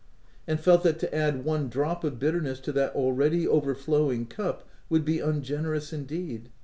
— and felt that to add one drop of bitter ness to that already overflowing cup, would be ungenerous indeed.